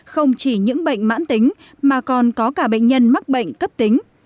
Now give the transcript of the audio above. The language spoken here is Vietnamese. không chỉ những bệnh mãn tính mà còn có cả bệnh nhân mắc bệnh cấp tính